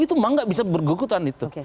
itu memang enggak bisa bergegutan itu